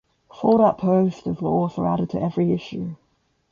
Fold-out posters were also added to every issue.